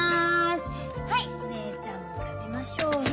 はいお姉ちゃんも食べましょうね。